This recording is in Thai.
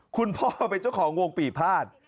คุณพ่อเป็นเจ้าของวงปีภาษ